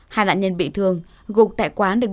hai nạn nhân bị thương gục tại quán được bắt